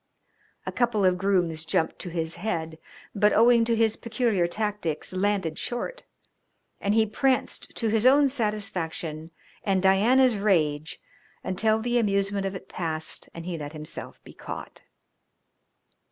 A couple of grooms jumped to his head, but, owing to his peculiar tactics, landed short, and he pranced to his own satisfaction and Diana's rage, until the amusement of it passed and he let himself be caught.